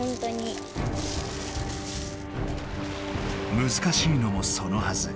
むずかしいのもそのはず